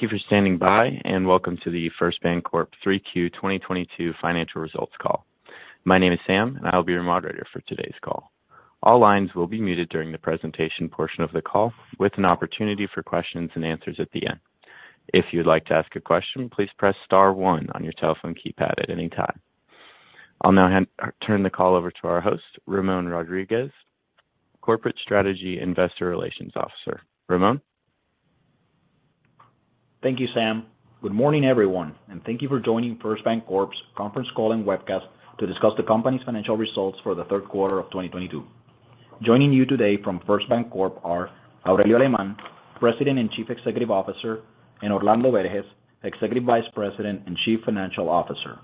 Thank you for standing by, and welcome to the First BanCorp 3Q 2022 financial results call. My name is Sam, and I'll be your moderator for today's call. All lines will be muted during the presentation portion of the call with an opportunity for questions and answers at the end. If you'd like to ask a question, please press star one on your telephone keypad at any time. I'll now turn the call over to our host, Ramón Rodriguez, Corporate Strategy Investor Relations Officer. Ramón. Thank you, Sam. Good morning, everyone, and thank you for joining First BanCorp's conference call and webcast to discuss the company's financial results for the third quarter of 2022. Joining you today from First BanCorp are Aurelio Alemán, President and Chief Executive Officer, and Orlando Berges, Executive Vice President and Chief Financial Officer.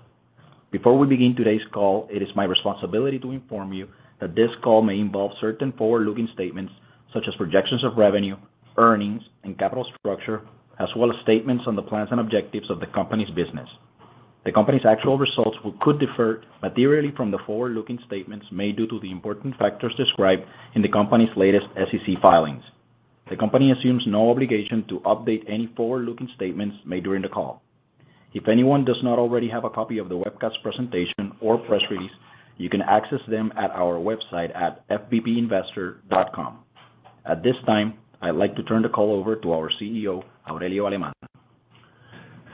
Before we begin today's call, it is my responsibility to inform you that this call may involve certain forward-looking statements such as projections of revenue, earnings, and capital structure, as well as statements on the plans and objectives of the company's business. The company's actual results could differ materially from the forward-looking statements made due to the important factors described in the company's latest SEC filings. The company assumes no obligation to update any forward-looking statements made during the call. If anyone does not already have a copy of the webcast presentation or press release, you can access them at our website at fbpinvestor.com. At this time, I'd like to turn the call over to our CEO, Aurelio Alemán.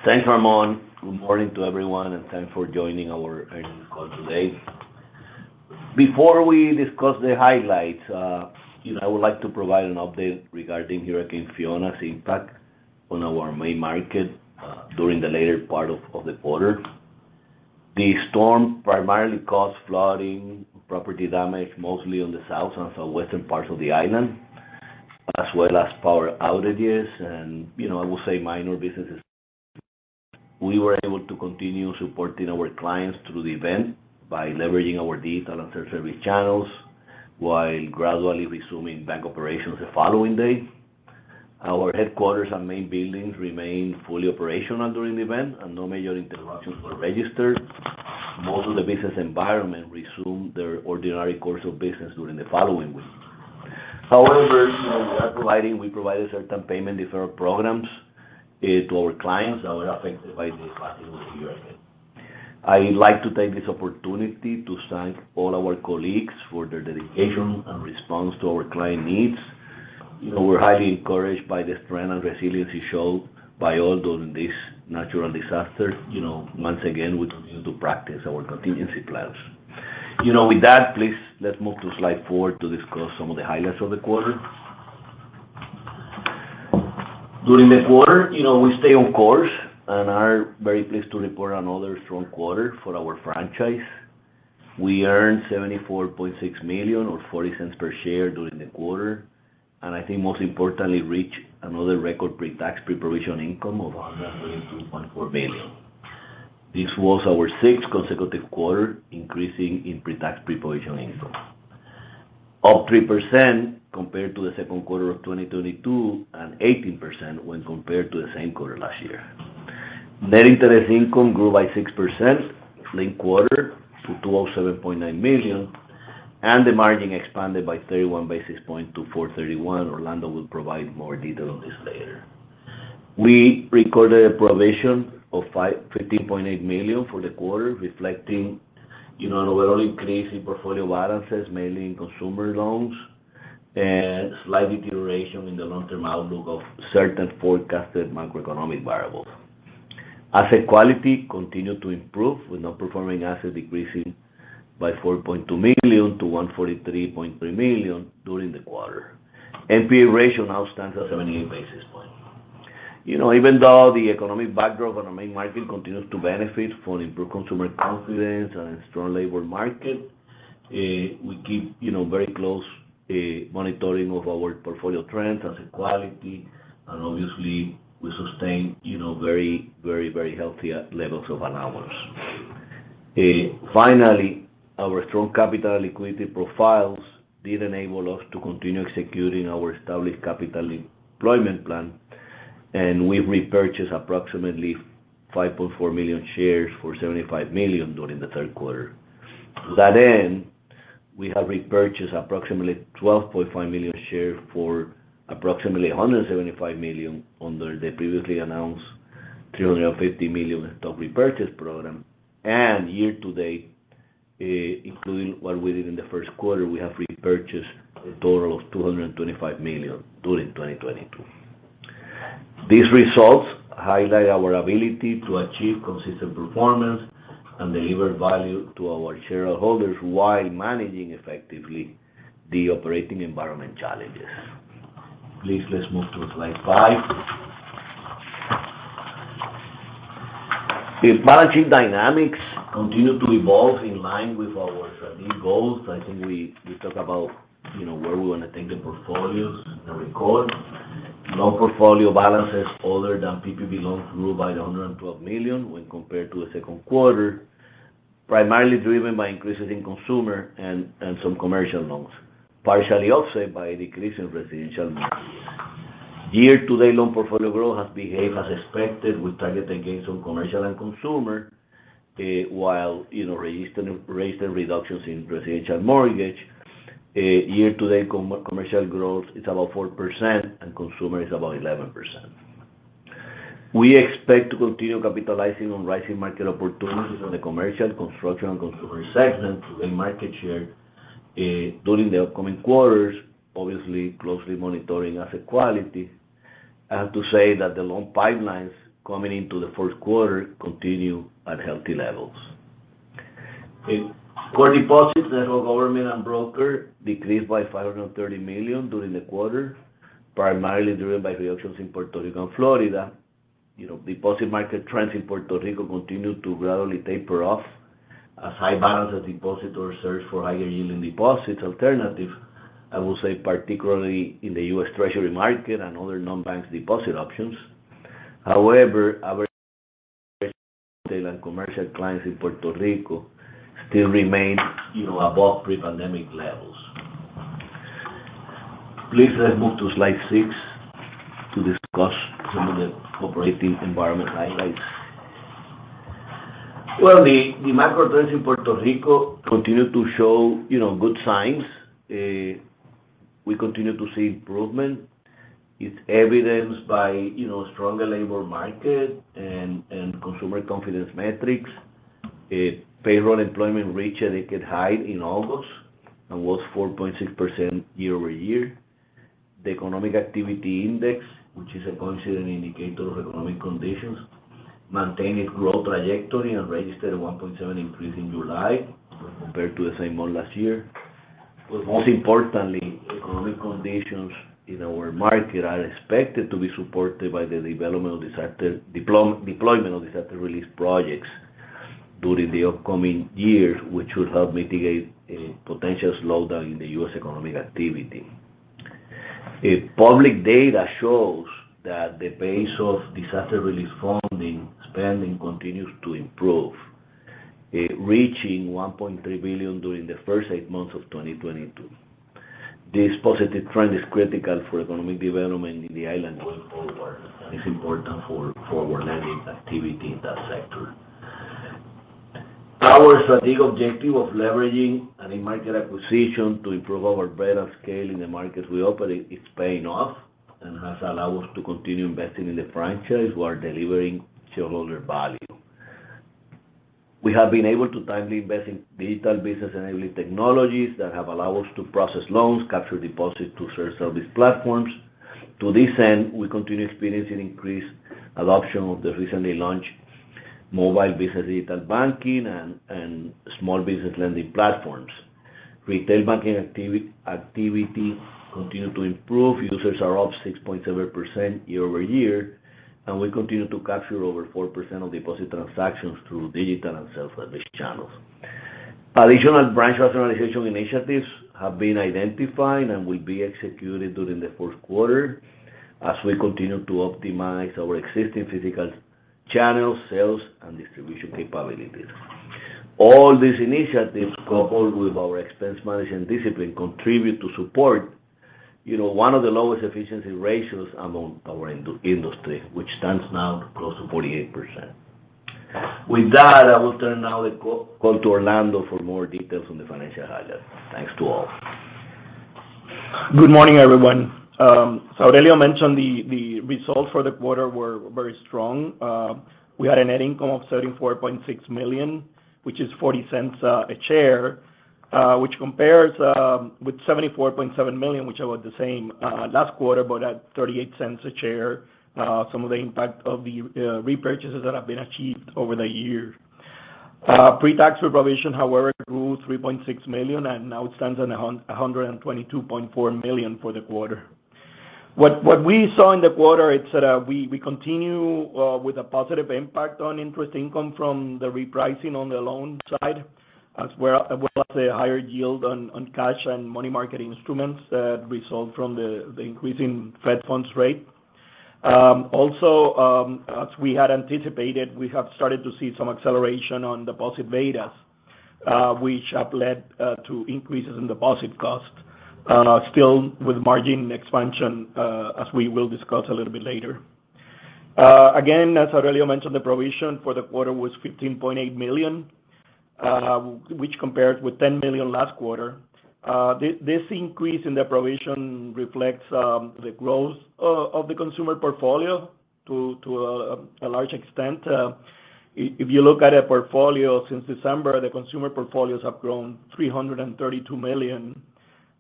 Thanks, Ramón. Good morning to everyone, and thanks for joining our earnings call today. Before we discuss the highlights, you know, I would like to provide an update regarding Hurricane Fiona's impact on our main market during the later part of the quarter. The storm primarily caused flooding, property damage, mostly on the south and the western parts of the island, as well as power outages and, you know, I would say minor businesses. We were able to continue supporting our clients through the event by leveraging our digital and third-party channels while gradually resuming bank operations the following day. Our headquarters and main buildings remained fully operational during the event, and no major interruptions were registered. Most of the business environment resumed their ordinary course of business during the following week. However, you know, we provided certain payment deferral programs to our clients that were affected by this disaster with the hurricane. I like to take this opportunity to thank all our colleagues for their dedication and response to our client needs. You know, we're highly encouraged by the strength and resiliency showed by all during this natural disaster. You know, once again, we continue to practice our contingency plans. You know, with that, please let's move to slide 4 to discuss some of the highlights of the quarter. During the quarter, you know, we stay on course and are very pleased to report another strong quarter for our franchise. We earned $74.6 million or 40 cents per share during the quarter. I think most importantly, reached another record pre-provision income of $102.4 million. This was our sixth consecutive quarter, increasing in pre-tax pre-provision income. Up 3% compared to the second quarter of 2022, and 18% when compared to the same quarter last year. Net interest income grew by 6% linked-quarter to $207.9 million, and the margin expanded by 31 basis points to 4.31. Orlando will provide more detail on this later. We recorded a provision of $15.8 million for the quarter, reflecting, you know, an overall increase in portfolio balances, mainly in consumer loans, and slight deterioration in the long-term outlook of certain forecasted macroeconomic variables. Asset quality continued to improve, with non-performing assets decreasing by $4.2 million to $143.3 million during the quarter. NPA ratio now stands at 78 basis points. You know, even though the economic backdrop on our main market continues to benefit from improved consumer confidence and a strong labor market, we keep, you know, very close monitoring of our portfolio trends, asset quality, and obviously, we sustain, you know, very healthy levels of allowance. Finally, our strong capital liquidity profiles did enable us to continue executing our established capital deployment plan, and we repurchased approximately 5.4 million shares for $75 million during the third quarter. To that end, we have repurchased approximately 12.5 million shares for approximately $175 million under the previously announced $350 million stock repurchase program. Year to date, including what we did in the first quarter, we have repurchased a total of $225 million during 2022. These results highlight our ability to achieve consistent performance and deliver value to our shareholders while managing effectively the operating environment challenges. Please, let's move to slide five. The balance sheet dynamics continue to evolve in line with our strategic goals. I think we talk about, you know, where we wanna take the portfolios and record. Loan portfolio balances other than PPP loans grew by $112 million when compared to the second quarter, primarily driven by increases in consumer and some commercial loans, partially offset by a decrease in residential mortgage. Year-to-date loan portfolio growth has behaved as expected. We target against some commercial and consumer, while, you know, recent reductions in residential mortgage. Year-to-date commercial growth is about 4% and consumer is about 11%. We expect to continue capitalizing on rising market opportunities in the commercial, construction, and consumer segments to gain market share, during the upcoming quarters, obviously closely monitoring asset quality. I have to say that the loan pipelines coming into the first quarter continue at healthy levels. In core deposits, the wholesale government and broker decreased by $530 million during the quarter, primarily driven by reductions in Puerto Rico and Florida. You know, deposit market trends in Puerto Rico continue to gradually taper off as high-balance depositors search for higher-yielding deposit alternatives, I will say particularly in the U.S. Treasury market and other non-bank deposit options. However, our retail and commercial clients in Puerto Rico still remain, you know, above pre-pandemic levels. Please let's move to slide six to discuss some of the operating environment highlights. The macro trends in Puerto Rico continue to show, you know, good signs. We continue to see improvement. It's evidenced by, you know, stronger labor market and consumer confidence metrics. Payroll employment reached a decade high in August and was 4.6% year-over-year. The economic activity index, which is a considered indicator of economic conditions, maintained its growth trajectory and registered a 1.7% increase in July compared to the same month last year. Most importantly, economic conditions in our market are expected to be supported by the development and deployment of disaster relief projects during the upcoming years, which will help mitigate a potential slowdown in the U.S. economic activity. Public data shows that the pace of disaster relief funding spending continues to improve, reaching $1.3 billion during the first eight months of 2022. This positive trend is critical for economic development in the island going forward. It's important for forward lending activity in that sector. Our strategic objective of leveraging an in-market acquisition to improve our breadth of scale in the markets we operate is paying off and has allowed us to continue investing in the franchise who are delivering shareholder value. We have been able to timely invest in digital business-enabling technologies that have allowed us to process loans, capture deposits through self-service platforms. To this end, we continue experiencing increased adoption of the recently launched mobile business digital banking and small business lending platforms. Retail banking activities continue to improve. Users are up 6.7% year-over-year, and we continue to capture over 4% of deposit transactions through digital and self-service channels. Additional branch rationalization initiatives have been identified and will be executed during the fourth quarter as we continue to optimize our existing physical channels, sales, and distribution capabilities. All these initiatives, coupled with our expense management discipline, contribute to support, you know, one of the lowest efficiency ratios among our industry, which stands now close to 48%. With that, I will turn now the call to Orlando for more details on the financial highlights. Thanks to all. Good morning, everyone. Aurelio mentioned the results for the quarter were very strong. We had a net income of $34.6 million, which is $0.40 a share, which compares with $74.7 million, which was the same last quarter, but at $0.38 a share. Some of the impact of the repurchases that have been achieved over the year. Pre-tax provision, however, grew $3.6 million and now stands at a hundred and twenty-two point four million for the quarter. What we saw in the quarter is that we continue with a positive impact on interest income from the repricing on the loan side, as well as a higher yield on cash and money market instruments that result from the increase in Fed funds rate. Also, as we had anticipated, we have started to see some acceleration on deposit betas, which have led to increases in deposit costs and are still with margin expansion, as we will discuss a little bit later. Again, as Aurelio mentioned, the provision for the quarter was $15.8 million, which compared with $10 million last quarter. This increase in the provision reflects the growth of the consumer portfolio to a large extent. If you look at a portfolio since December, the consumer portfolios have grown $332 million.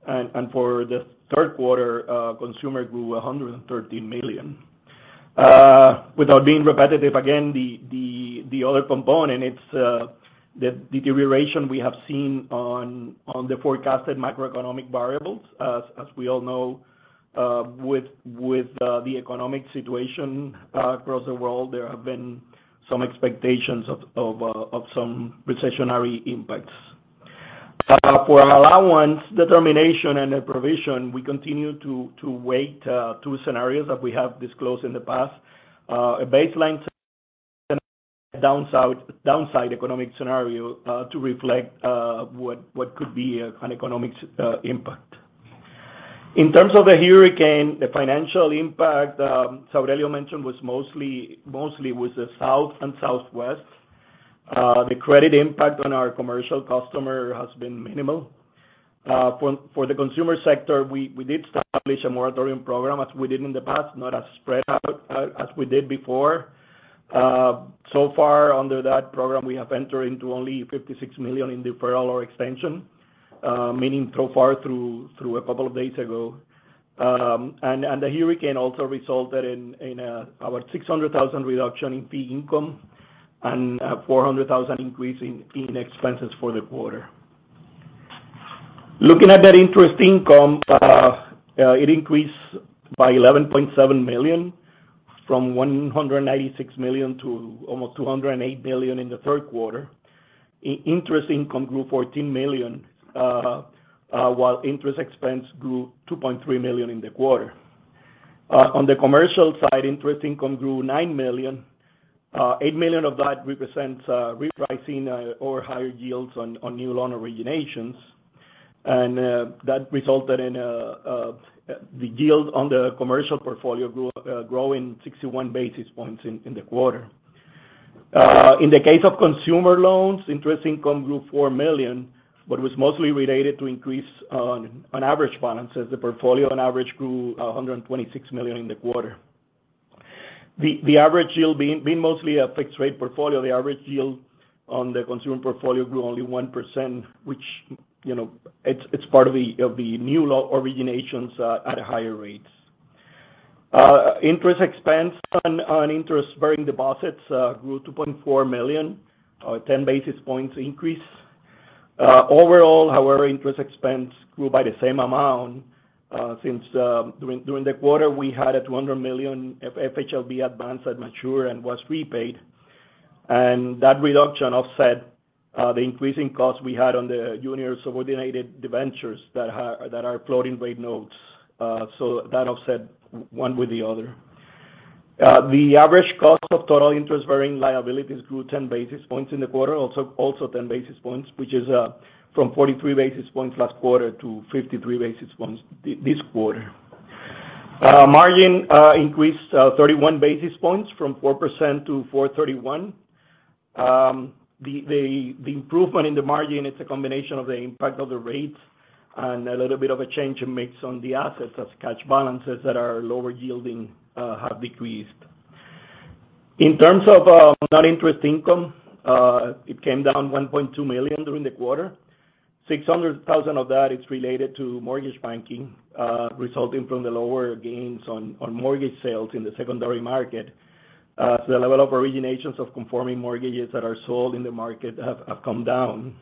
For the third quarter, consumer grew $113 million. Without being repetitive again, the other component, it's the deterioration we have seen on the forecasted macroeconomic variables. As we all know, with the economic situation across the world, there have been some expectations of some recessionary impacts. For allowance determination and the provision, we continue to weigh two scenarios that we have disclosed in the past, a baseline scenario and a downside economic scenario to reflect what could be an economic impact. In terms of the hurricane, the financial impact Aurelio mentioned was mostly the south and southwest. The credit impact on our commercial customer has been minimal. For the consumer sector, we did establish a moratorium program as we did in the past, not as spread out as we did before. So far under that program, we have entered into only $56 million in deferral or extension, meaning so far through a couple of days ago. The hurricane also resulted in about $600,000 reduction in fee income and $400,000 increase in expenses for the quarter. Looking at that interest income, it increased by $11.7 million from $186 million to almost $208 million in the third quarter. Interest income grew $14 million, while interest expense grew $2.3 million in the quarter. On the commercial side, interest income grew $9 million. $8 million of that represents repricing or higher yields on new loan originations. That resulted in the yield on the commercial portfolio growing 61 basis points in the quarter. In the case of consumer loans, interest income grew $4 million, but was mostly related to increase on average balances. The portfolio on average grew $126 million in the quarter. The average yield, being mostly a fixed rate portfolio, the average yield on the consumer portfolio grew only 1%, which, you know, it's part of the new loan originations at higher rates. Interest expense on interest-bearing deposits grew $2.4 million, 10 basis points increase. Overall, however, interest expense grew by the same amount, since during the quarter, we had a $200 million FHLB advance that matured and was repaid. That reduction offset the increasing cost we had on the junior subordinated debentures that are floating rate notes. That offset one with the other. The average cost of total interest-bearing liabilities grew ten basis points in the quarter, also ten basis points, which is from 43 basis points last quarter to 53 basis points this quarter. Margin increased 31 basis points from 4%-4.31%. The improvement in the margin, it's a combination of the impact of the rates and a little bit of a change in mix on the assets as cash balances that are lower yielding have decreased. In terms of non-interest income, it came down $1.2 million during the quarter. $600,000 of that is related to mortgage banking, resulting from the lower gains on mortgage sales in the secondary market. The level of originations of conforming mortgages that are sold in the market have come down.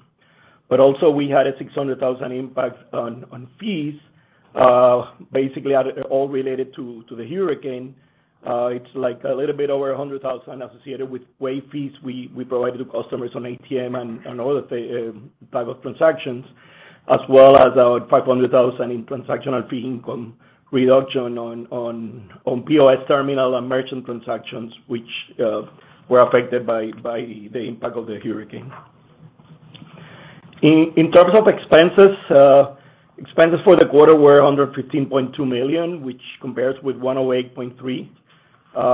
We had a $600,000 impact on fees, basically all related to the hurricane. It's like a little bit over $100,000 associated with waive fees we provided to customers on ATM and other fee type of transactions, as well as our $500,000 in transactional fee income reduction on POS terminal and merchant transactions, which were affected by the impact of the hurricane. In terms of expenses for the quarter were $115.2 million, which compares with $108.3 million,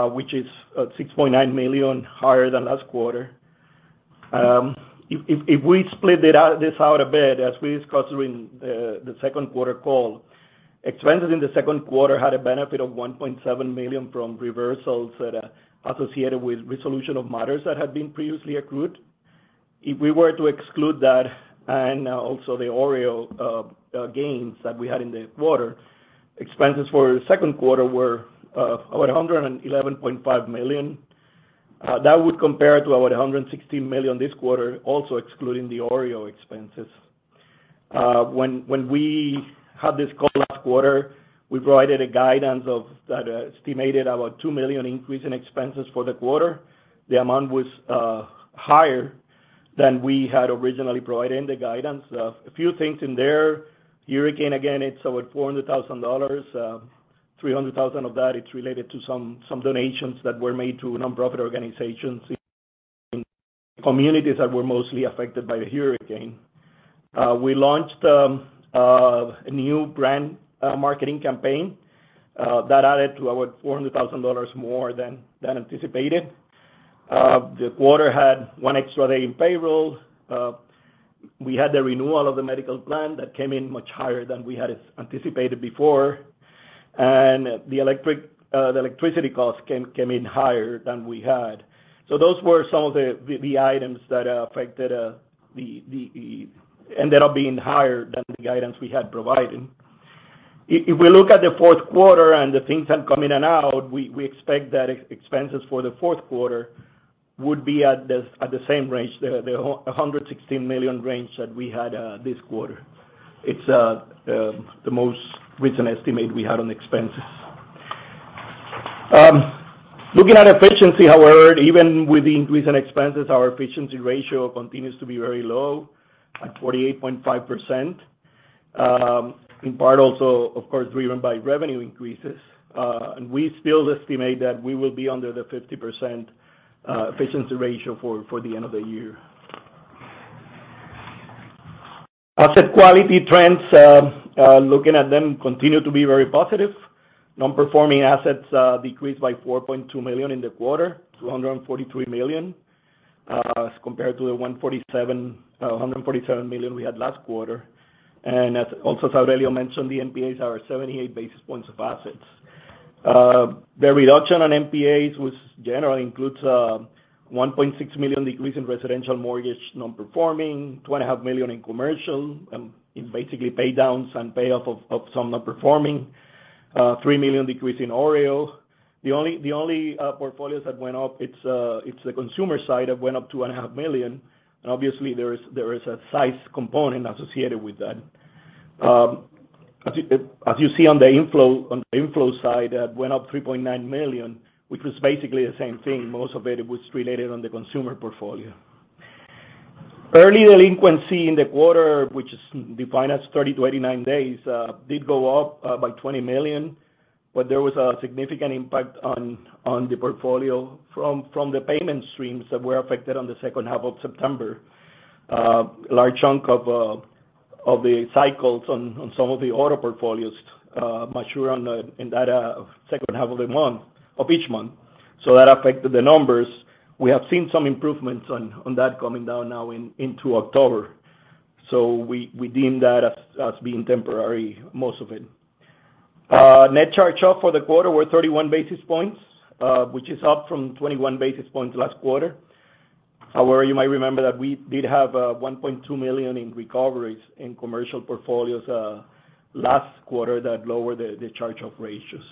which is $6.9 million higher than last quarter. If we split this out a bit, as we discussed during the second quarter call, expenses in the second quarter had a benefit of $1.7 million from reversals that are associated with resolution of matters that had been previously accrued. If we were to exclude that and also the OREO gains that we had in the quarter, expenses for the second quarter were about $111.5 million. That would compare to about $116 million this quarter, also excluding the OREO expenses. When we had this call last quarter, we provided a guidance of that estimated about $2 million increase in expenses for the quarter. The amount was higher than we had originally provided in the guidance. A few things in there. Hurricane, again, it's about $400,000. $300,000 of that, it's related to some donations that were made to nonprofit organizations in communities that were mostly affected by the hurricane. We launched a new brand marketing campaign that added to about $400,000 more than anticipated. The quarter had one extra day in payroll. We had the renewal of the medical plan that came in much higher than we had anticipated before. The electricity cost came in higher than we had. Those were some of the items that ended up being higher than the guidance we had provided. If we look at the fourth quarter and the things that come in and out, we expect that expenses for the fourth quarter would be at the same range, the $116 million range that we had this quarter. It's the most recent estimate we had on expenses. Looking at efficiency, however, even with the increase in expenses, our efficiency ratio continues to be very low at 48.5%. In part also, of course, driven by revenue increases. We still estimate that we will be under the 50% efficiency ratio for the end of the year. Asset quality trends, looking at them, continue to be very positive. Non-performing assets decreased by $4.2 million in the quarter, $243 million, as compared to the $147 million we had last quarter. As also Aurelio mentioned, the NPAs are 78 basis points of assets. The reduction on NPAs was generally includes, one point six million decrease in residential mortgage non-performing, $2.5 million in commercial, in basically pay downs and payoff of some non-performing, $3 million decrease in OREO. The only portfolios that went up, it's the consumer side that went up $2.5 million, and obviously there is a size component associated with that. As you see on the inflow side, that went up $3.9 million, which was basically the same thing. Most of it was related on the consumer portfolio. Early delinquency in the quarter, which is defined as 30-89 days, did go up by $20 million, but there was a significant impact on the portfolio from the payment streams that were affected on the second half of September. Large chunk of the cycles on some of the auto portfolios mature on the second half of the month of each month. That affected the numbers. We have seen some improvements on that coming down now into October. We deem that as being temporary, most of it. Net charge-off for the quarter were 31 basis points, which is up from 21 basis points last quarter. However, you might remember that we did have $1.2 million in recoveries in commercial portfolios last quarter that lowered the charge-off ratios.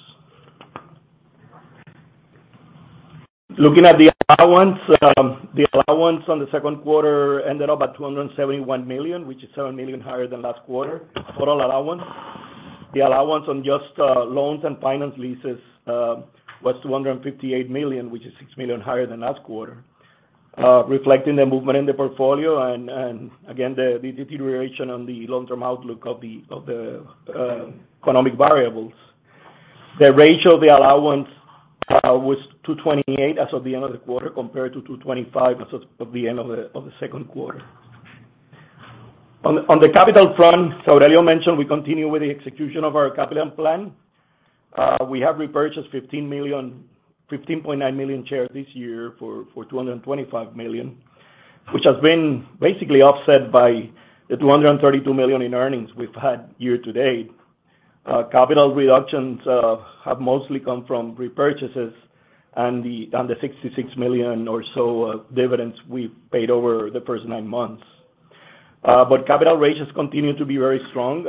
Looking at the allowance, the allowance on the second quarter ended up at $271 million, which is $7 million higher than last quarter for all allowance. The allowance on just loans and finance leases was $258 million, which is $6 million higher than last quarter, reflecting the movement in the portfolio and again the deterioration on the long-term outlook of the economic variables. The ratio of the allowance was 2.28 as of the end of the quarter, compared to 2.25 as of the end of the second quarter. On the capital front, Aurelio mentioned we continue with the execution of our capital plan. We have repurchased 15.9 million shares this year for $225 million, which has been basically offset by the $232 million in earnings we've had year to date. Capital reductions have mostly come from repurchases and the $66 million or so of dividends we've paid over the first nine months. Capital ratios continue to be very strong.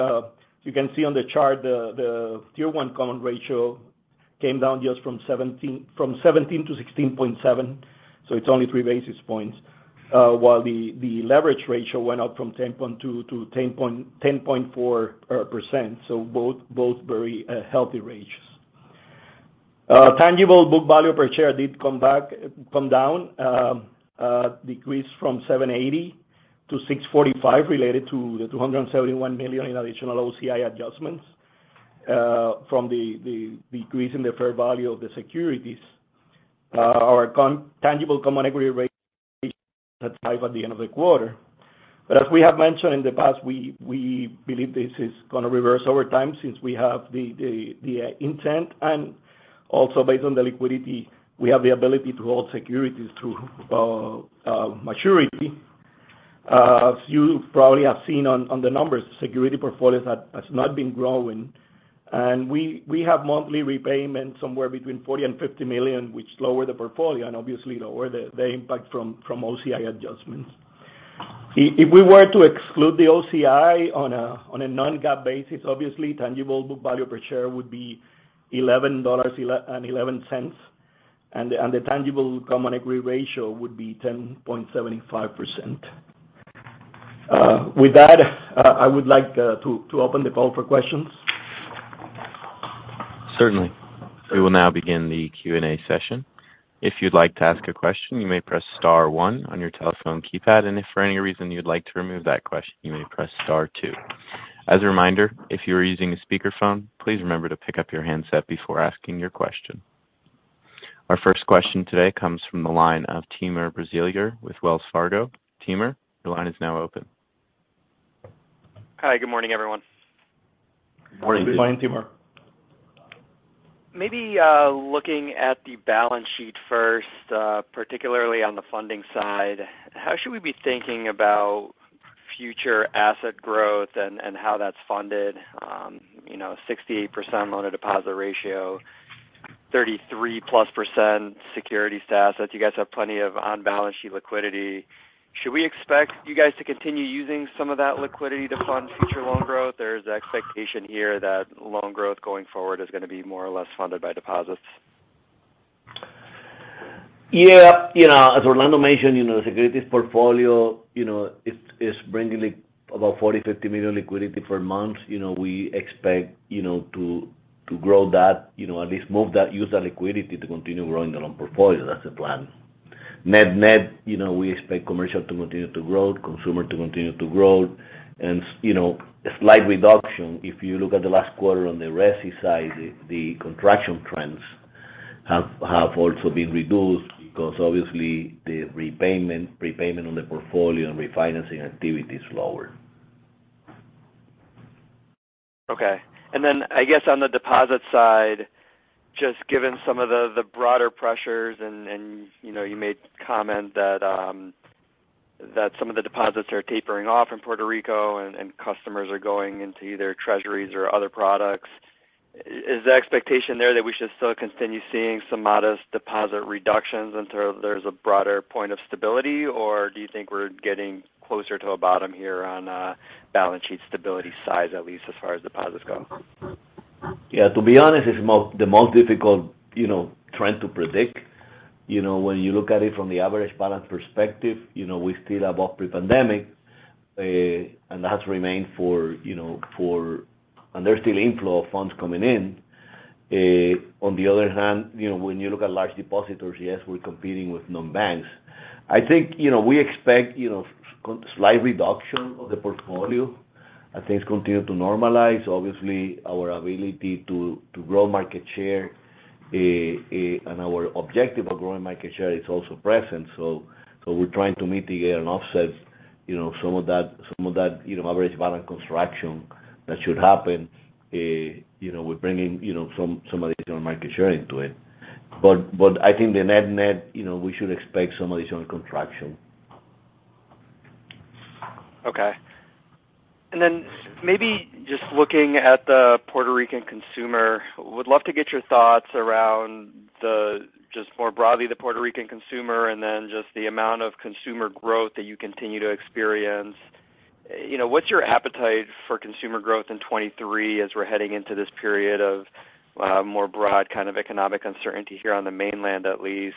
You can see on the chart the Tier 1 common ratio came down just from 17 to 16.7, so it's only 3 basis points. While the leverage ratio went up from 10.2% to 10.4%, both very healthy ranges. Tangible book value per share decreased from $7.80 to $6.45 related to the $271 million in additional OCI adjustments from the decrease in the fair value of the securities. Our tangible common equity ratio at 5% at the end of the quarter. As we have mentioned in the past, we believe this is gonna reverse over time since we have the intent and also based on the liquidity, we have the ability to hold securities through maturity. As you probably have seen on the numbers, securities portfolio has not been growing. We have monthly repayments somewhere between $40 million and $50 million, which lower the portfolio and obviously lower the impact from OCI adjustments. If we were to exclude the OCI on a non-GAAP basis, obviously tangible book value per share would be $11.11, and the tangible common equity ratio would be 10.75%. With that, I would like to open the call for questions. Certainly. We will now begin the Q&A session. If you'd like to ask a question, you may press star one on your telephone keypad. If for any reason you'd like to remove that question, you may press star two. As a reminder, if you are using a speaker phone, please remember to pick up your handset before asking your question. Our first question today comes from the line of Timur Braziler with Wells Fargo. Timur, your line is now open. Hi, good morning, everyone. Good morning. Good morning, Timur. Maybe, looking at the balance sheet first, particularly on the funding side, how should we be thinking about future asset growth and how that's funded? You know, 68% loan-to-deposit ratio, 33%+ securities to assets. You guys have plenty of on-balance sheet liquidity. Should we expect you guys to continue using some of that liquidity to fund future loan growth? There's the expectation here that loan growth going forward is gonna be more or less funded by deposits. Yeah. You know, as Orlando mentioned, you know, securities portfolio, you know, it's bringing about $40 million-$50 million liquidity for months. You know, we expect, you know, to grow that, you know, at least move that, use that liquidity to continue growing the loan portfolio. That's the plan. Net-net, you know, we expect commercial to continue to grow, consumer to continue to grow and you know, a slight reduction, if you look at the last quarter on the resi side, the contraction trends. Have also been reduced because obviously the repayment, prepayment on the portfolio and refinancing activity is lower. Okay. Then I guess on the deposit side, just given some of the broader pressures and, you know, you made comment that some of the deposits are tapering off in Puerto Rico and customers are going into either treasuries or other products. Is the expectation there that we should still continue seeing some modest deposit reductions until there's a broader point of stability? Or do you think we're getting closer to a bottom here on balance sheet stability size, at least as far as deposits go? Yeah. To be honest, it's the most difficult, you know, trend to predict. You know, when you look at it from the average balance perspective, you know, we're still above pre-pandemic, and that's remained, you know, and there's still inflow of funds coming in. On the other hand, you know, when you look at large depositors, yes, we're competing with non-banks. I think, you know, we expect, you know, slight reduction of the portfolio as things continue to normalize. Obviously, our ability to grow market share, and our objective of growing market share is also present. We're trying to mitigate and offset, you know, some of that, you know, average balance contraction that should happen, you know, with bringing, you know, some of additional market share into it. I think the net-net, you know, we should expect some additional contraction. Okay. Maybe just looking at the Puerto Rican consumer, would love to get your thoughts around just more broadly, the Puerto Rican consumer and then just the amount of consumer growth that you continue to experience. You know, what's your appetite for consumer growth in 2023 as we're heading into this period of more broad kind of economic uncertainty here on the mainland at least?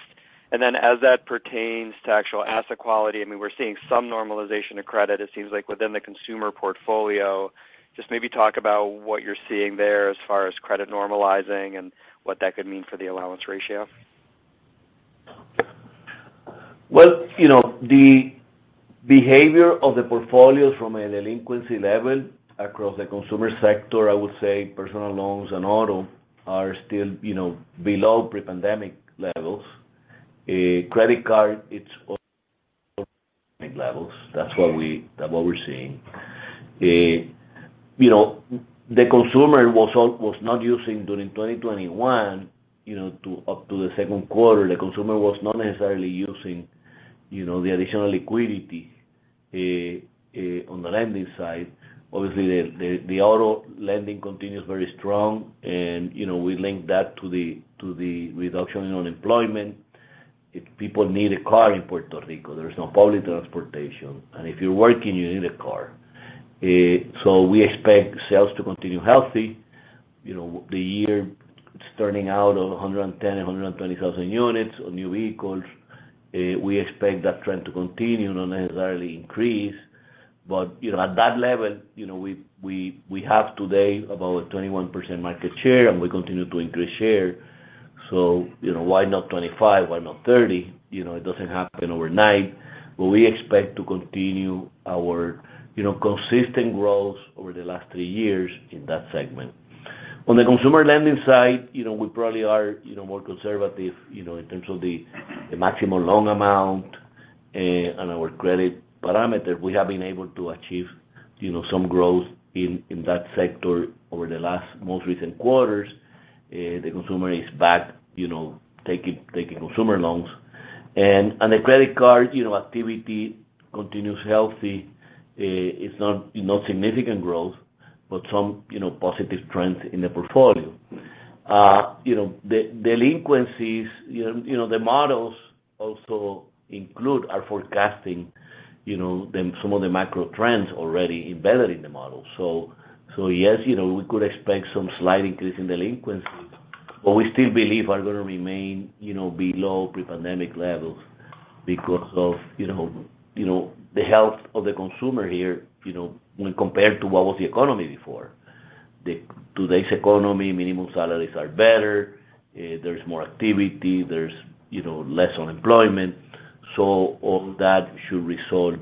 As that pertains to actual asset quality, I mean, we're seeing some normalization of credit, it seems like, within the consumer portfolio. Just maybe talk about what you're seeing there as far as credit normalizing and what that could mean for the allowance ratio. Well, you know, the behavior of the portfolio from a delinquency level across the consumer sector, I would say personal loans and auto are still, you know, below pre-pandemic levels. Credit card, it's levels. That's what we're seeing. You know, the consumer was not using during 2021, you know, up to the second quarter, the consumer was not necessarily using, you know, the additional liquidity on the lending side. Obviously, the auto lending continues very strong and, you know, we link that to the reduction in unemployment. If people need a car in Puerto Rico, there's no public transportation, and if you're working, you need a car. So we expect sales to continue healthy. You know, the year is turning out 110,000 units-120,000 units on new vehicles. We expect that trend to continue, not necessarily increase. You know, at that level, you know, we have today about a 21% market share, and we continue to increase share. You know, why not 25? Why not 30? You know, it doesn't happen overnight, but we expect to continue our, you know, consistent growth over the last three years in that segment. On the consumer lending side, you know, we probably are, you know, more conservative, you know, in terms of the maximum loan amount, and our credit parameter. We have been able to achieve, you know, some growth in that sector over the last most recent quarters. The consumer is back, you know, taking consumer loans. The credit card, you know, activity continues healthy. It's not, you know, significant growth, but some, you know, positive trends in the portfolio. You know, the delinquencies, you know, the models also include our forecasting, you know, some of the macro trends already embedded in the model. Yes, you know, we could expect some slight increase in delinquencies, but we still believe are gonna remain, you know, below pre-pandemic levels because of, you know, the health of the consumer here, you know, when compared to what was the economy before. Today's economy, minimum salaries are better. There's more activity. There's, you know, less unemployment. All that should result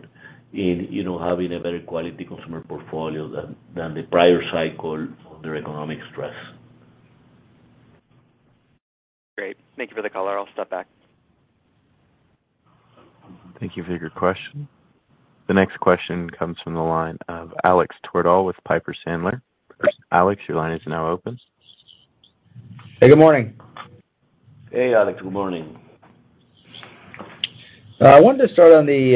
in, you know, having a better quality consumer portfolio than the prior cycle under economic stress. Great. Thank you for the color. I'll step back. Thank you for your good question. The next question comes from the line of Alex Twerdahl with Piper Sandler. Alex, your line is now open. Hey, good morning. Hey, Alex. Good morning. I wanted to start on the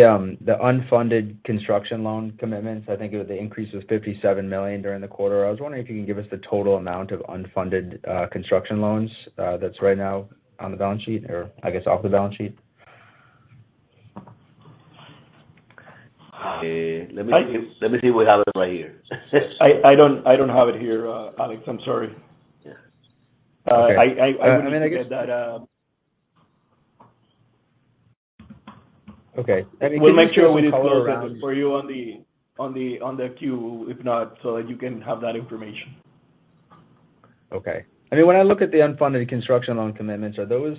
unfunded construction loan commitments. I think it was the increase of $57 million during the quarter. I was wondering if you can give us the total amount of unfunded construction loans that's right now on the balance sheet or I guess off the balance sheet. Uh, let me see if- I- Let me see what happens right here. I don't have it here, Alex, I'm sorry. Yeah. Uh, I, I- Okay. I guess. Would have to get that. Okay. Let me make sure we follow around. We'll make sure we follow up with you on the queue, if not, so that you can have that information. Okay. I mean, when I look at the unfunded construction loan commitments, are those?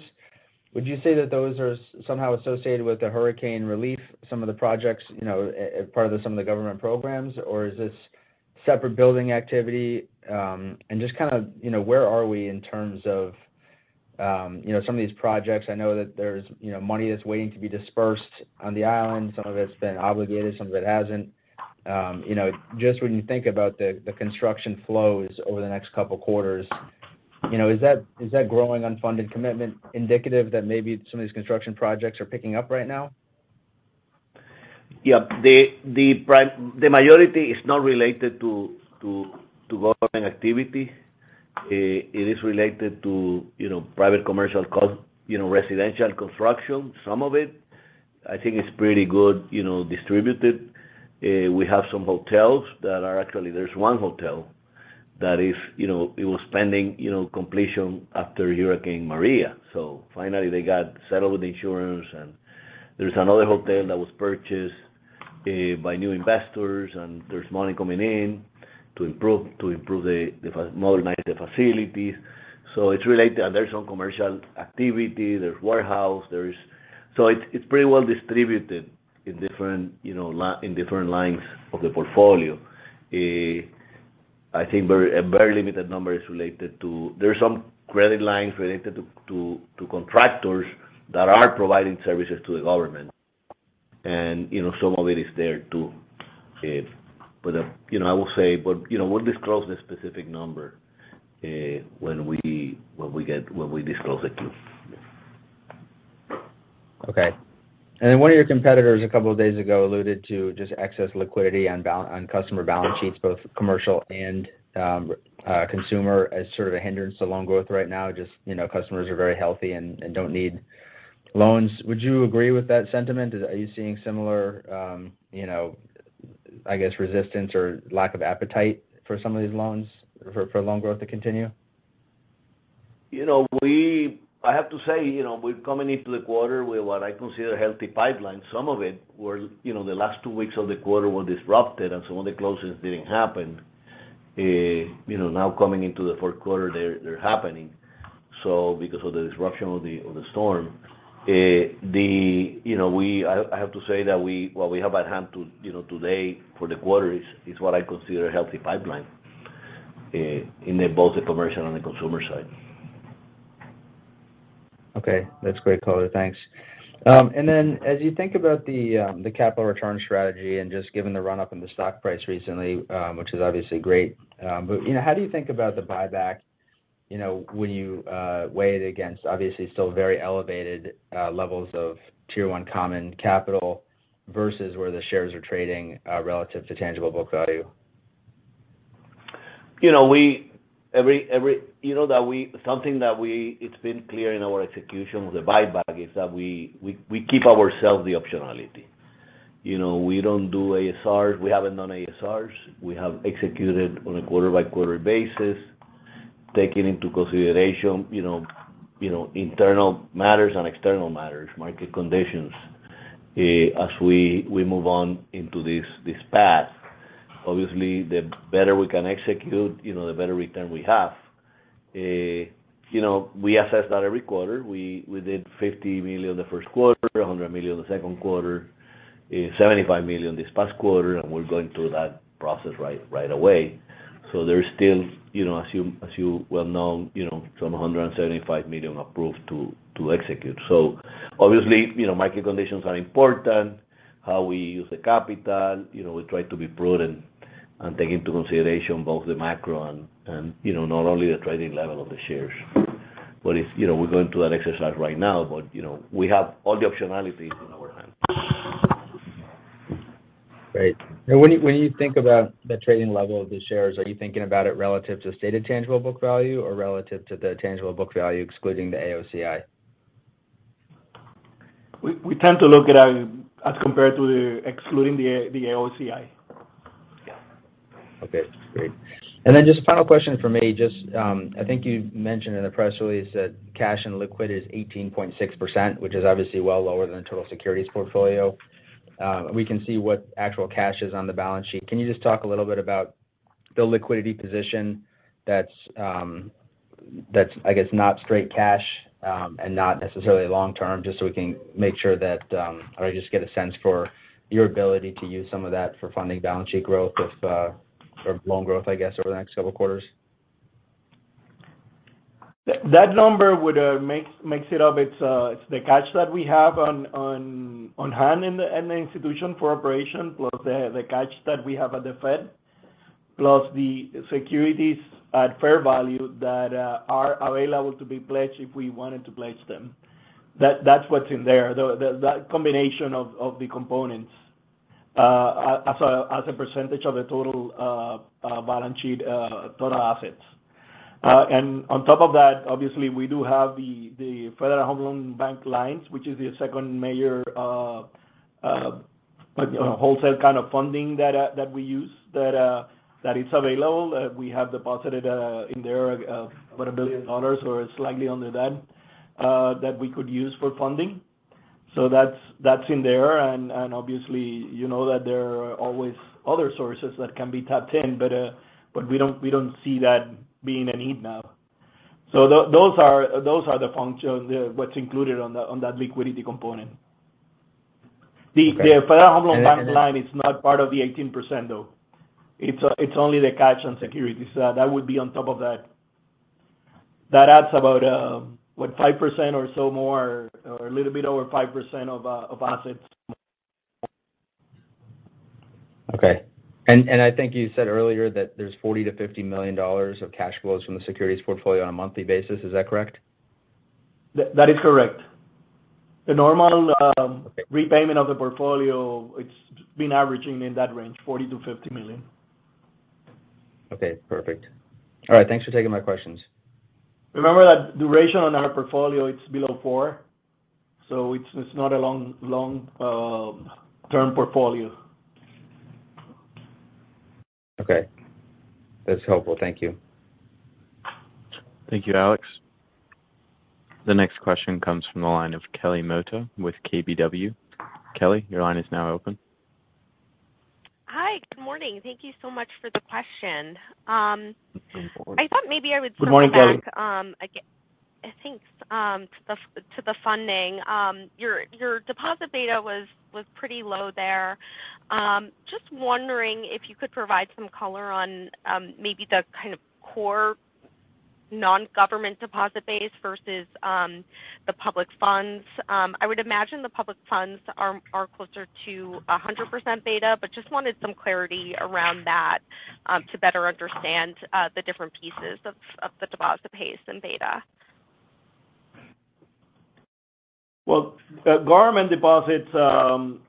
Would you say that those are somehow associated with the hurricane relief, some of the projects, you know, part of some of the government programs? Or is this separate building activity? Just kind of, you know, where are we in terms of, you know, some of these projects? I know that there's, you know, money that's waiting to be dispersed on the island. Some of it's been obligated, some of it hasn't. You know, just when you think about the construction flows over the next couple quarters, you know, is that growing unfunded commitment indicative that maybe some of these construction projects are picking up right now? Yeah. The majority is not related to government activity. It is related to, you know, private commercial, you know, residential construction, some of it. I think it's pretty good, you know, distributed. We have some hotels that are. Actually, there's one hotel that is, you know, it was pending, you know, completion after Hurricane Maria. Finally, they got settled with insurance. There's another hotel that was purchased by new investors, and there's money coming in to improve, modernize the facilities. It's related. There's some commercial activity, there's warehouse. It's pretty well distributed in different, you know, in different lines of the portfolio. I think a very limited number is related to. There are some credit lines related to contractors that are providing services to the government. You know, some of it is there, too. But, you know, I will say, but, you know, we'll disclose the specific number when we disclose it to you. Okay. Then one of your competitors a couple of days ago alluded to just excess liquidity on customer balance sheets, both commercial and consumer, as sort of a hindrance to loan growth right now. Just, you know, customers are very healthy and don't need loans. Would you agree with that sentiment? Are you seeing similar, you know, I guess, resistance or lack of appetite for some of these loans for loan growth to continue? You know, I have to say, you know, we're coming into the quarter with what I consider a healthy pipeline. Some of it were, you know, the last two weeks of the quarter were disrupted and some of the closings didn't happen. You know, now coming into the fourth quarter, they're happening. Because of the disruption of the storm, you know, I have to say that we, what we have at hand today for the quarter is what I consider a healthy pipeline in both the commercial and the consumer side. Okay. That's great, Aurelio Alemán. Thanks. As you think about the capital return strategy, and just given the run-up in the stock price recently, which is obviously great, but you know, how do you think about the buyback, you know, when you weigh it against obviously still very elevated levels of Tier 1 common capital versus where the shares are trading relative to tangible book value? It's been clear in our execution of the buyback is that we keep ourselves the optionality. You know, we don't do ASR. We haven't done ASRs. We have executed on a quarter-by-quarter basis, taking into consideration, you know, internal matters and external matters, market conditions. As we move on into this path, obviously, the better we can execute, you know, the better return we have. You know, we assess that every quarter. We did $50 million the first quarter, $100 million the second quarter, $75 million this past quarter, and we're going through that process right away. There is still, you know, as you well know, you know, some $175 million approved to execute. Obviously, you know, market conditions are important, how we use the capital. You know, we try to be prudent and take into consideration both the macro and, you know, not only the trading level of the shares. You know, we're going through that exercise right now, but, you know, we have all the optionalities in our hands. Great. Now, when you think about the trading level of the shares, are you thinking about it relative to stated tangible book value or relative to the tangible book value excluding the AOCI? We tend to look at our, as compared to excluding the AOCI. Okay, great. Just final question from me. Just, I think you mentioned in the press release that cash and liquid is 18.6%, which is obviously well lower than the total securities portfolio. We can see what actual cash is on the balance sheet. Can you just talk a little bit about the liquidity position that's, I guess, not straight cash, and not necessarily long term, just so we can make sure that, or just get a sense for your ability to use some of that for funding balance sheet growth with, or loan growth, I guess, over the next several quarters? That number would makes it up. It's the cash that we have on hand in the institution for operation, plus the cash that we have at the Fed, plus the securities at fair value that are available to be pledged if we wanted to pledge them. That's what's in there. That combination of the components as a percentage of the total balance sheet total assets. On top of that, obviously we do have the Federal Home Loan Bank lines, which is the second major wholesale kind of funding that we use that is available. We have deposited in there about $1 billion or slightly under that that we could use for funding. That's in there. And obviously, you know that there are always other sources that can be tapped in, but we don't see that being a need now. Those are the functions, what's included on that liquidity component. Okay. The Federal Home Loan Bank line is not part of the 18%, though. It's only the cash and securities. That would be on top of that. That adds about what? 5% or so more, or a little bit over 5% of assets. Okay. I think you said earlier that there's $40 million-$50 million of cash flows from the securities portfolio on a monthly basis. Is that correct? That is correct. Okay repayment of the portfolio, it's been averaging in that range, $40 million-$50 million. Okay, perfect. All right. Thanks for taking my questions. Remember that duration on our portfolio. It's below four, so it's not a long term portfolio. Okay. That's helpful. Thank you. Thank you, Alex. The next question comes from the line of Kelly Motta with KBW. Kelly, your line is now open. Hi. Good morning. Thank you so much for the question. Good morning. Good morning, Kelly. I thought maybe I would circle back again, I think, to the funding. Your deposit beta was pretty low there. Just wondering if you could provide some color on maybe the kind of core non-government deposit base versus the public funds. I would imagine the public funds are closer to 100% beta, but just wanted some clarity around that to better understand the different pieces of the deposit base and beta. Well, government deposits,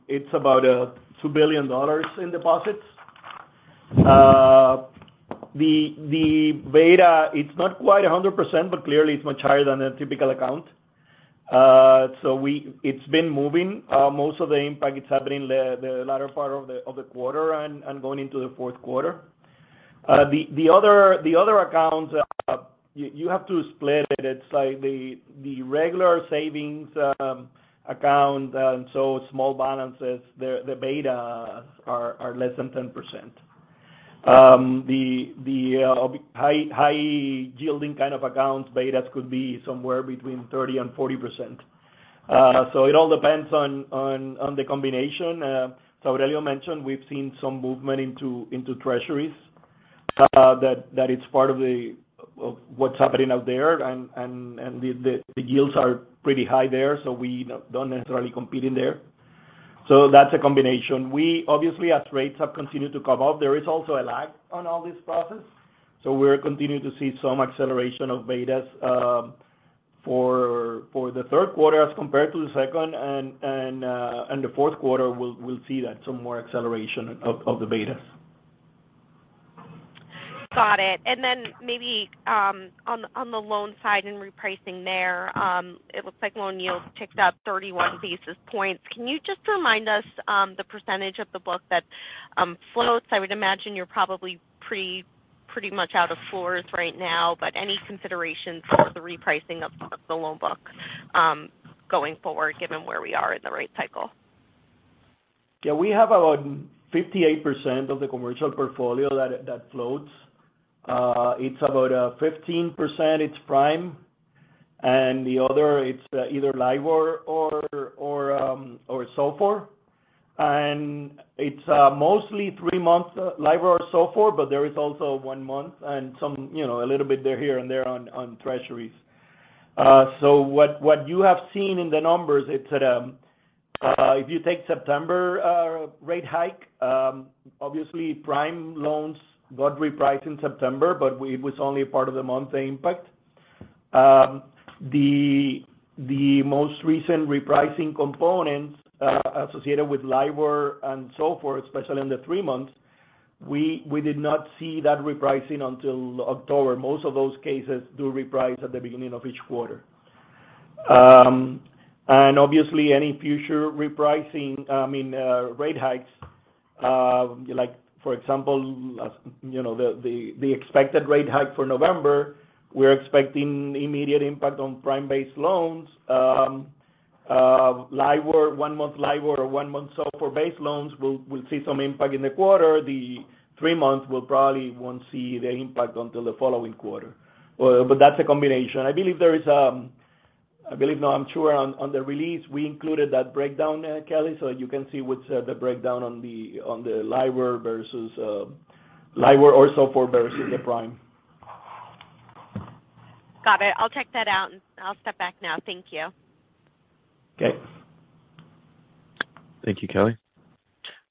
it's about $2 billion in deposits. The beta, it's not quite 100%, but clearly it's much higher than a typical account. It's been moving. Most of the impact it's happening the latter part of the quarter and going into the fourth quarter. The other accounts, you have to split it. It's like the regular savings account, and so small balances, the betas are less than 10%. The high yielding kind of accounts, betas could be somewhere between 30%-40%. It all depends on the combination. Aurelio mentioned we've seen some movement into Treasuries. That is part of what's happening out there. The yields are pretty high there, so we don't necessarily compete in there. That's a combination. We obviously, as rates have continued to come up, there is also a lag on all this process, so we're continuing to see some acceleration of betas for the third quarter as compared to the second. The fourth quarter, we'll see that, some more acceleration of the betas. Got it. Maybe on the loan side and repricing there, it looks like loan yields ticked up 31 basis points. Can you just remind us the percentage of the book that floats? I would imagine you're probably pretty much out of floors right now, but any considerations for the repricing of the loan book going forward, given where we are in the rate cycle? Yeah. We have about 58% of the commercial portfolio that floats. It's about 15% prime, and the other either LIBOR or SOFR. It's mostly three-month LIBOR or SOFR, but there is also one-month and some, you know, a little bit here and there on Treasuries. What you have seen in the numbers, if you take September rate hike, obviously prime loans got repriced in September, but it was only a part of the month impact. The most recent repricing components associated with LIBOR and SOFR, especially in the three months, we did not see that repricing until October. Most of those cases do reprice at the beginning of each quarter. Obviously any future repricing, I mean, rate hikes, like for example, as you know, the expected rate hike for November, we're expecting immediate impact on prime-based loans. LIBOR, one-month LIBOR or one-month SOFR-based loans, we'll see some impact in the quarter. The three months will probably won't see the impact until the following quarter. That's a combination. No, I'm sure on the release we included that breakdown, Kelly, so you can see what's the breakdown on the LIBOR versus LIBOR or SOFR versus the prime. Got it. I'll check that out and I'll step back now. Thank you. Okay. Thank you, Kelly.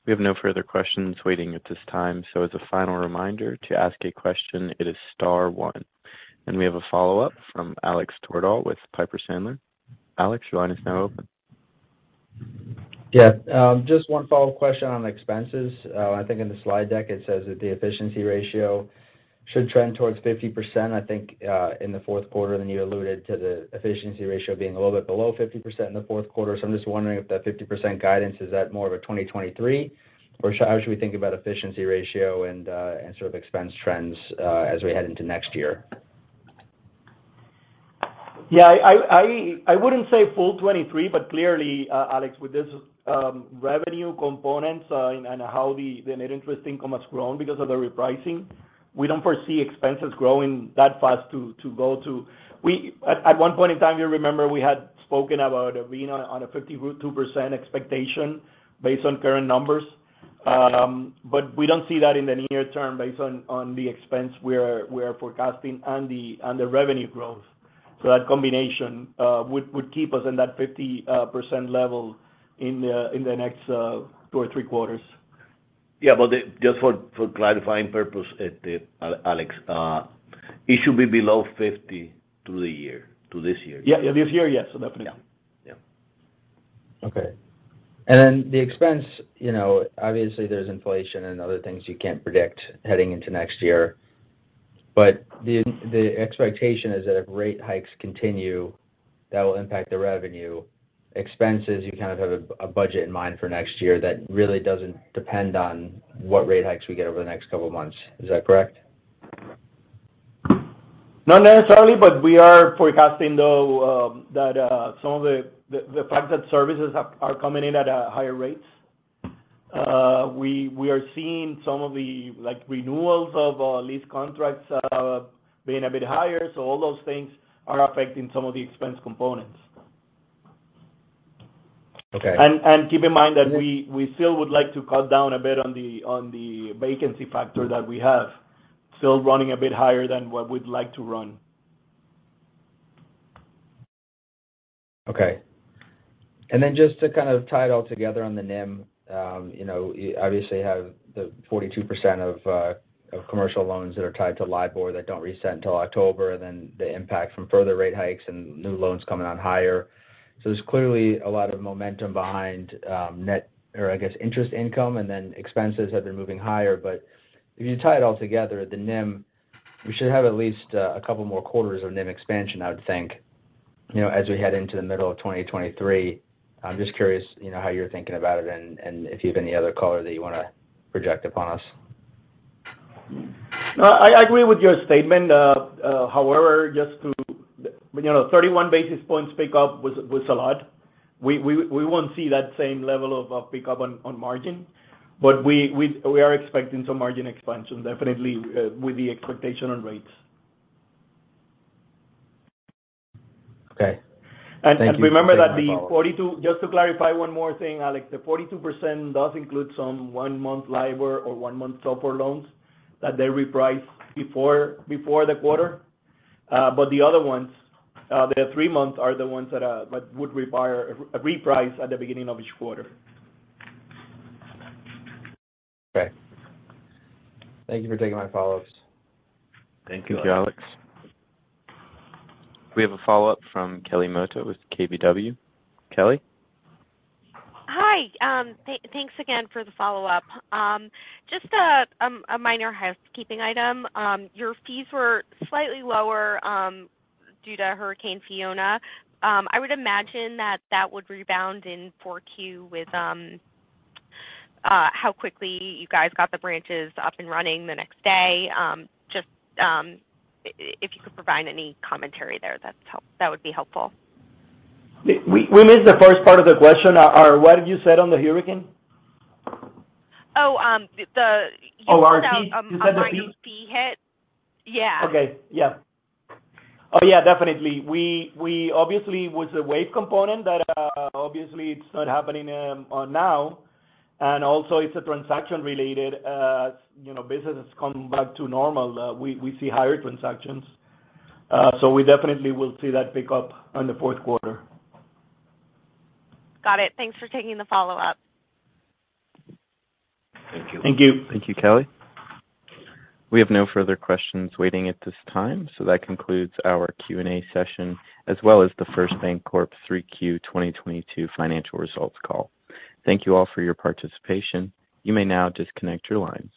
We have no further questions waiting at this time. As a final reminder, to ask a question, it is star one. We have a follow-up from Alex Twerdahl with Piper Sandler. Alex, your line is now open. Yeah. Just one follow-up question on expenses. I think in the slide deck it says that the efficiency ratio should trend towards 50%, I think, in the fourth quarter. You alluded to the efficiency ratio being a little bit below 50% in the fourth quarter. I'm just wondering if that 50% guidance, is that more of a 2023? Or how should we think about efficiency ratio and sort of expense trends, as we head into next year? Yeah, I wouldn't say full 23%, but clearly, Alex, with this revenue components, and how the net interest income has grown because of the repricing, we don't foresee expenses growing that fast to go to. At one point in time, you remember we had spoken about being on a 52% expectation based on current numbers. But we don't see that in the near term based on the expense we are forecasting and the revenue growth. That combination would keep us in that 50% level in the next two or three quarters. Just for clarifying purpose, Alex, it should be below 50 through the year, through this year. Yeah, this year, yes. Definitely. Yeah. Yeah. Okay. The expense, you know, obviously there's inflation and other things you can't predict heading into next year. The expectation is that if rate hikes continue, that will impact the revenue. Expenses, you kind of have a budget in mind for next year that really doesn't depend on what rate hikes we get over the next couple of months. Is that correct? Not necessarily, but we are forecasting, though, that some of the fact that services are coming in at higher rates. We are seeing some of the, like, renewals of lease contracts being a bit higher. All those things are affecting some of the expense components. Okay. Keep in mind that we still would like to cut down a bit on the vacancy factor that we have. Still running a bit higher than what we'd like to run. Okay. Then just to kind of tie it all together on the NIM, you know, you obviously have the 42% of commercial loans that are tied to LIBOR that don't reset until October, and then the impact from further rate hikes and new loans coming on higher. There's clearly a lot of momentum behind or I guess interest income and then expenses have been moving higher. If you tie it all together, the NIM, we should have at least a couple more quarters of NIM expansion, I would think, you know, as we head into the middle of 2023. I'm just curious, you know, how you're thinking about it and if you have any other color that you wanna project upon us. No, I agree with your statement. However, you know, 31 basis points pick up was a lot. We won't see that same level of pick up on margin. We are expecting some margin expansion definitely with the expectation on rates. Okay. Thank you. Just to clarify one more thing, Alex, the 42% does include some one-month LIBOR or one-month SOFR loans that they reprice before the quarter. But the other ones, the three-month are the ones that would require a reprice at the beginning of each quarter. Okay. Thank you for taking my follow-ups. Thank you. Thank you, Alex Twerdahl. We have a follow-up from Kelly Motta with KBW. Kelly? Hi. Thanks again for the follow-up. Just a minor housekeeping item. Your fees were slightly lower due to Hurricane Fiona. I would imagine that would rebound in 4Q with how quickly you guys got the branches up and running the next day. Just if you could provide any commentary there, that would be helpful. We missed the first part of the question. What have you said on the hurricane? You pointed out. Oh, our fees. You said the fees? On how our fees hit. Yeah. Okay. Yeah. Oh, yeah, definitely. We obviously with the wave component that obviously it's not happening now, and also it's transaction-related. You know, business has come back to normal, we see higher transactions. We definitely will see that pick up on the fourth quarter. Got it. Thanks for taking the follow-up. Thank you. Thank you. Thank you, Kelly. We have no further questions waiting at this time. That concludes our Q&A session, as well as the First BanCorp 3Q 2022 financial results call. Thank you all for your participation. You may now disconnect your lines.